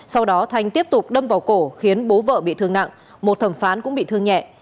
sau đó thanh tiếp tục đâm vào cổ khiến bố vợ bị thương nặng một thẩm phán cũng bị thương nhẹ